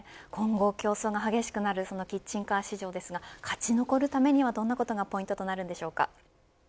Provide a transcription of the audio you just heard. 今後、競争が激しくなるそのキッチンカー市場ですが勝ち残るためにはどんな事がポイントになるのでしょうか。